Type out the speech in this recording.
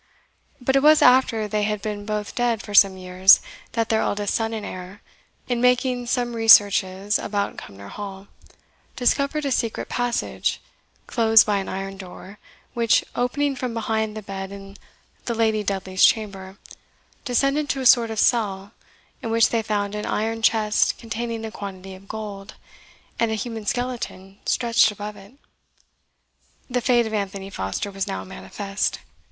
But it was after they had been both dead for some years that their eldest son and heir, in making some researches about Cumnor Hall, discovered a secret passage, closed by an iron door, which, opening from behind the bed in the Lady Dudley's Chamber, descended to a sort of cell, in which they found an iron chest containing a quantity of gold, and a human skeleton stretched above it. The fate of Anthony Foster was now manifest.